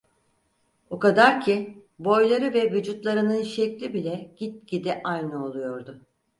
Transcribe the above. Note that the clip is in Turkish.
O kadar ki, boyları ve vücutlarının şekli bile gitgide aynı oluyordu.